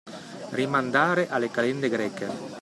Rimandare alle calende greche.